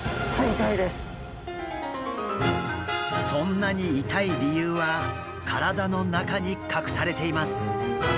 そんなに痛い理由は体の中に隠されています。